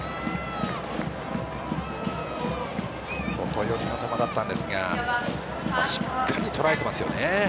外寄りの球だったんですがしっかりとらえていますね。